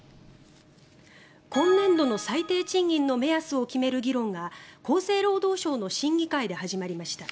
今年度の最低賃金の目安を決める議論が厚生労働省の審議会で始まりました。